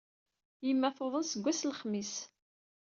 Yemma tuḍen seg wass n lexmis.